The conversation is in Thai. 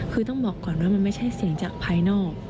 คือต้องบอกก่อนว่ามันไม่ใช่เสียงจากภายนอก